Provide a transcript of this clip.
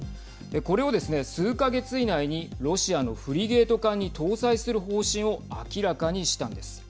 これをですね、数か月以内にロシアのフリゲート艦に搭載する方針を明らかにしたんです。